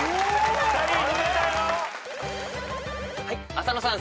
浅野さん